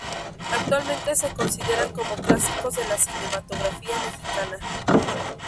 Actualmente se consideran como clásicos de la cinematografía mexicana.